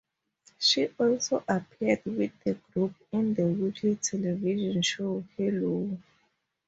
She also appeared with the group in the weekly television show Hello!